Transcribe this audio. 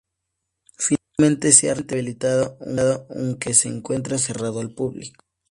Finalmente se ha rehabilitado, aunque se encuentra cerrado al público.